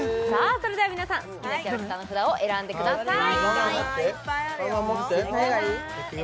それでは皆さん好きなキャラクターの札を選んでくださいいっぱいあるよどれがいい？